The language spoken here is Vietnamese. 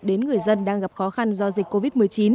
đến người dân đang gặp khó khăn do dịch covid một mươi chín